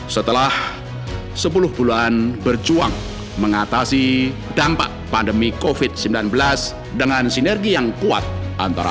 setelah sepuluh bulan berjuang mengatasi dampak pandemi covid sembilan belas dengan sinergi yang kuat antara